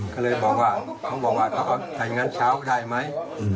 ก็เลยบอกว่าเขาบอกว่าถ้าอย่างนั้นเช้าได้ไหม